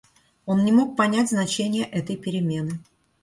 Он не мог понять значения этой перемены.